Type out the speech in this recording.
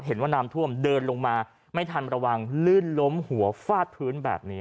เห็นว่าน้ำท่วมเดินลงมาไม่ทันระวังลื่นล้มหัวฟาดพื้นแบบนี้